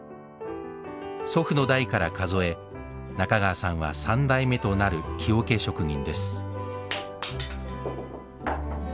祖父の代から数え中川さんは３代目となる木桶職人です。